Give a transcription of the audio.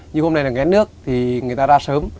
như hôm nay là ghen nước thì người ta ra sớm